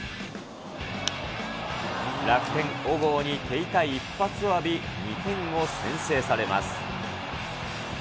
楽天、小郷に手痛い一発を浴び、２点を先制されます。